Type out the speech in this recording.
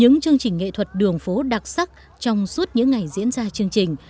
những chương trình nghệ thuật đường phố đặc sắc trong suốt những ngày diễn ra chương trình